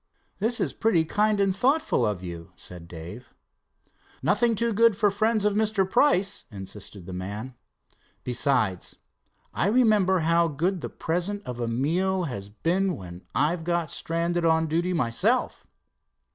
"This is pretty kind and thoughtful of you," said Dave. "Nothing too good for friends of Mr. Price," insisted the man. "Besides, I remember how good the present of a meal has been when I've got stranded on duty myself."